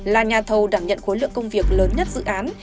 là nhà thầu đảm nhận khối lượng công việc lớn nhất dự án